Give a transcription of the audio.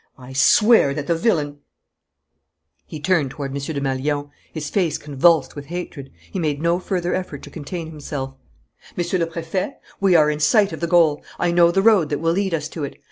I swear that the villain " He turned toward M. Desmalions, his face convulsed with hatred. He made no further effort to contain himself: "Monsieur le Préfet, we are in sight of the goal. I know the road that will lead us to it.